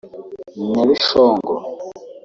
Nyabishongo